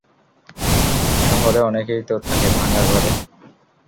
শহরে অনেকেই তো থাকে, ভাঙা ঘরে।